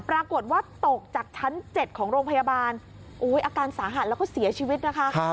ปรากฏว่าตกจากชั้น๗ของโรงพยาบาลอาการสาหัสแล้วก็เสียชีวิตนะคะ